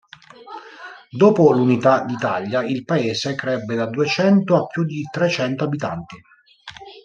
Dopo l'unità d'Italia il paese crebbe da duecento a più di trecento abitanti.